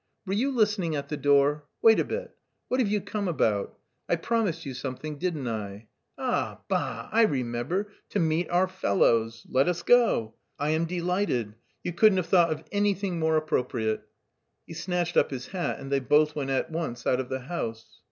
"Were you listening at the door? Wait a bit. What have you come about? I promised you something, didn't I? Ah, bah! I remember, to meet 'our fellows.' Let us go. I am delighted. You couldn't have thought of anything more appropriate." He snatched up his hat and they both went at once out of the house.